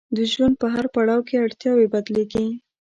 د ژوند په هر پړاو کې اړتیاوې بدلیږي.